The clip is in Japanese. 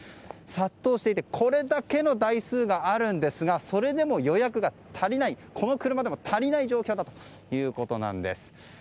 殺到していてこれだけの台数があるんですがそれでも、この車でも足りない状況だということです。